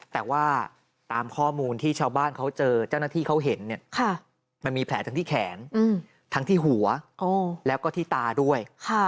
แต่ว่าตามข้อมูลที่ชาวบ้านเขาเจอเจ้าหน้าที่เขาเห็นเนี่ยมันมีแผลทั้งที่แขนทั้งที่หัวแล้วก็ที่ตาด้วย